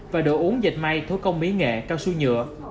và đồ uống dạch may thú công mỹ nghệ cao su nhựa